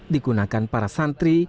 digunakan para santri